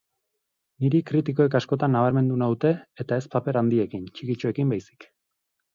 Niri kritikoek askotan nabarmendu naute eta ez paper handiekin, txikitxoekin baizik.